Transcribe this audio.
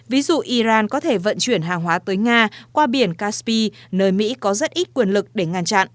ví dụ iran có thể vận chuyển hàng hóa tới nga qua biển kashpi nơi mỹ có rất ít quyền lực để ngăn chặn